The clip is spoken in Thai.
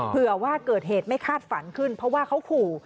เผื่อว่าเกิดเหตุไม่คาดฝันขึ้นเพราะว่าเขาขู่